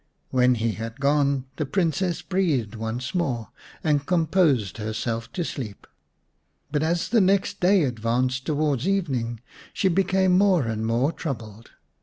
When he had gone the Princess breathed once more, and composed herself to sleep ; but as the next day advanced towards evening she became more and more troubled.